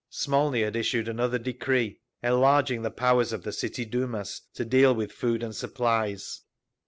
Smolny had issued another decree, enlarging the powers of the City Dumas to deal with food supplies.